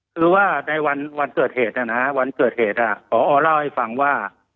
คือว่าในวันเกิดเหตุนะฮะวันเกิดเหตุพอเล่าให้ฟังว่า